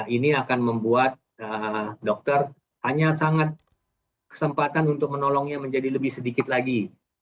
ini akan membuat dokter hanya sangat kesempatan untuk menolongnya menjadi lebih sedikit lagi